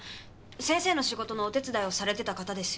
先生の仕事のお手伝いをされてた方ですよ。